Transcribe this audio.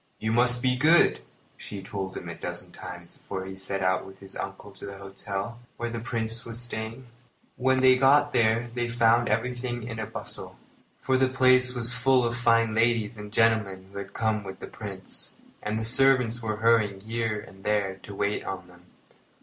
"You must be good," she told him a dozen times before he set out with his uncle to the hotel where the Prince was staying. When they got there they found everything in a bustle, for the place was full of fine ladies and gentlemen who had come with the Prince, and the servants were hurrying here and there to wait on them.